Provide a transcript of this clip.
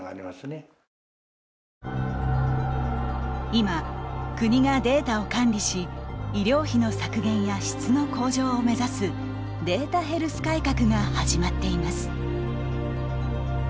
今、国がデータを管理し医療費の削減や質の向上を目指すデータヘルス改革が始まっています。